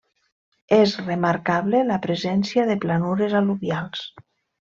És remarcable la presència de planures al·luvials.